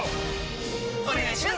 お願いします！！！